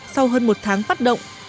sau hơn một tháng phát động